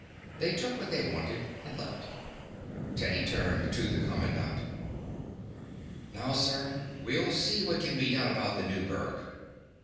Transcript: They took what they wanted and left. Teddy turned to the commandant. "Now, sir, we'll see what can be done about the new berg.